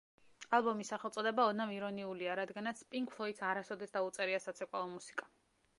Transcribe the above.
ალბომის სახელწოდება ოდნავ ირონიულია, რადგანაც პინკ ფლოიდს არასოდეს დაუწერია საცეკვაო მუსიკა.